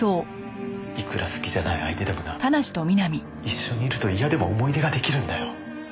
いくら好きじゃない相手でもな一緒にいると嫌でも思い出が出来るんだよ。